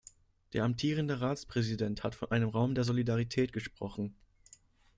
Der amtierende Ratspräsident hat von einem Raum der Solidarität gesprochen.